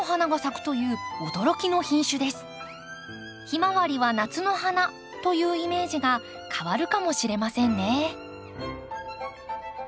ヒマワリは夏の花というイメージが変わるかもしれませんね。